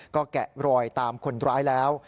ก็แกะรอยตามคนร้ายแล้ว